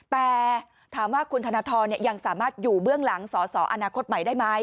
แต่ถามว่าคุณธนทรยังสามารถอยู่เบื้องหลังสอสออนาคตใหม่ได้ไหม